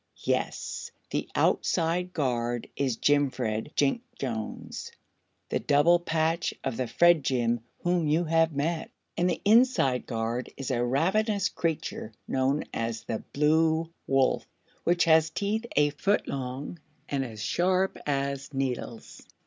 "Yes; the outside guard is Jimfred Jinksjones, the double patch of the Fredjim whom you have met, and the inside guard is a ravenous creature known as the Blue Wolf, which has teeth a foot long and as sharp as needles."